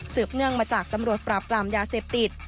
เนื่องมาจากตำรวจปราบปรามยาเสพติด